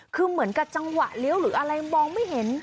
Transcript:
คือเหมือนกับจังหวะเลี้ยวหรืออะไรมองไม่เห็น